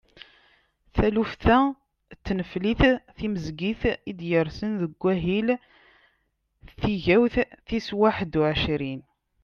Taluft-a n tneflit timezgit i d-yersen deg wahil tigawt tis waḥedd u ɛecrin.